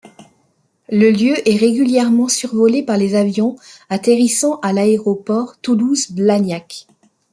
Le lieu est régulièrement survolé par les avions atterrissant à l'Aéroport Toulouse Blagnac.